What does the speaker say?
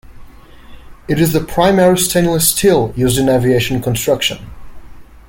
It is the primary stainless steel used in aviation construction.